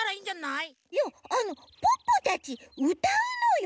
いやあのポッポたちうたうのよ？